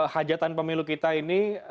hajatan pemilu kita ini